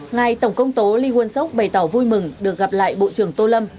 ngài tổng công tố lee won seok bày tỏ vui mừng được gặp lại bộ trưởng tô lâm